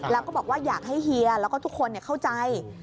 แล้วก็บอกว่าอยากให้เฮียแล้วก็ทุกคนเข้าใจ